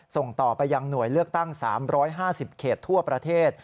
ส่งต่อไปยังหน่วยเลือกตั้ง๓๕๐เขตทั่วประเทศ